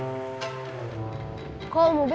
kok om obek boleh jualan dulu ya